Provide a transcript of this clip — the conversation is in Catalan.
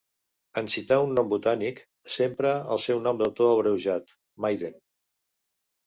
En citar un nom botànic, s'empra el seu nom d'autor abreujat, Maiden.